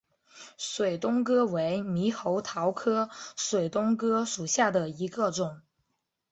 水东哥为猕猴桃科水东哥属下的一个种。